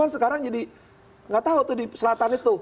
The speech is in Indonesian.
sekarang di selatan itu